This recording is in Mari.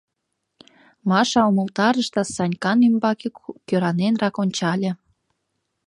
— Маша умылтарыш да Санькан ӱмбаке кӧраненрак ончале.